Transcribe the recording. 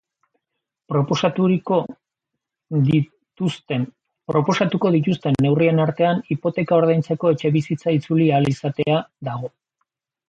Proposatuko dituzten neurrien artean hipoteka ordaintzeko etxebizitza itzuli ahal izatea dago.